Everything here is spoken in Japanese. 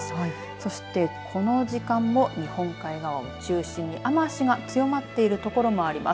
そしてこの時間も日本海側を中心に雨足が強まっている所もあります。